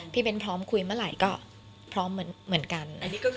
เบ้นพร้อมคุยเมื่อไหร่ก็พร้อมเหมือนกัน